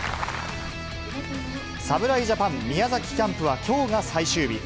侍ジャパン宮崎キャンプは、きょうが最終日。